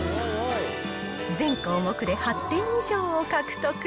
全項目で８点以上を獲得。